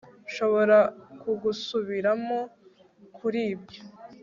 nshobora kugusubiramo kuri ibyo